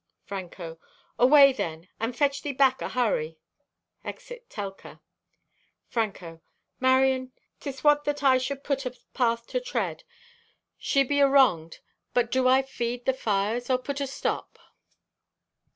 (Franco) "Away, then, and fetch thee back ahurry." (Exit Telka.) (Franco) "Marion, 'tis what that I should put as path to tread? She be awronged but do I feed the fires, or put a stop?"